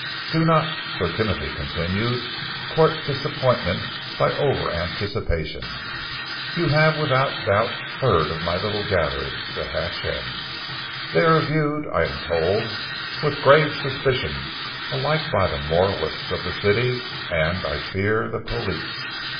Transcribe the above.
"Do not," Sir Timothy continued, "court disappointment by over anticipation. You have without doubt heard of my little gatherings at Hatch End. They are viewed, I am told, with grave suspicion, alike by the moralists of the City and, I fear, the police.